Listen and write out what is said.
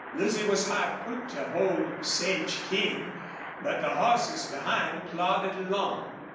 Lucy was hard put to it to hold Sage King, but the horses behind plodded along.